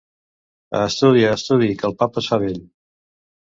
A estudi, a estudi, que el papa es fa vell.